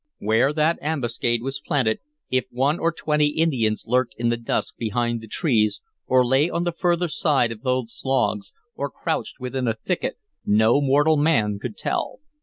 Where that ambuscade was planted, if one or twenty Indians lurked in the dusk behind the trees, or lay on the further side of those logs, or crouched within a thicket, no mortal man could tell.